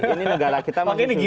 ini negara kita masih tinggi